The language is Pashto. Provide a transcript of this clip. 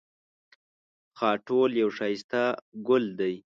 خاټول یو ښایسته ګل دی